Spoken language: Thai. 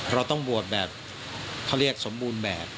เราต้องบวชแบบเขาเรียกสมบูรณ์แบบ